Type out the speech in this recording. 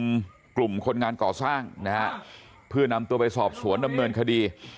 กลุ่มคนงานก่อสร้างนะฮะเพื่อนำตัวไปสอบสวนดำเนินคดี